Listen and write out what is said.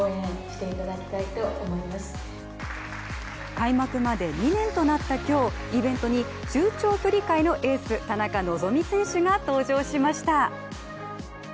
開幕まで２年となった今日、イベントに中・長距離界のエース田中希実選手が登場しました。